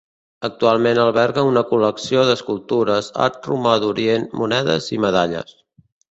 Actualment alberga una col·lecció d'escultures, art romà d'Orient, monedes i medalles.